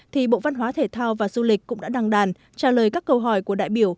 thì bộ văn hóa thể thao và du lịch cũng đã đăng đàn trả lời các câu hỏi của đại biểu